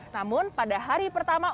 namun pada hari pertama